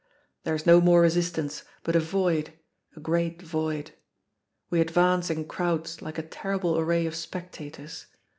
There is no more resistance, but a void, a great void. We advance in crowds like a terrible array of spectators.